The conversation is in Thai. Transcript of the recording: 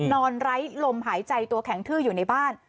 ไร้ลมหายใจตัวแข็งทื้ออยู่ในบ้าน